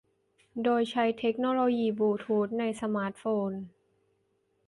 โดยใช้เทคโนโลยีบลูธูทในสมาร์ทโฟน